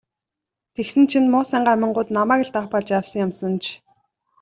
Тэгсэн чинь муусайн гамингууд намайг л даапаалж явсан юм санж.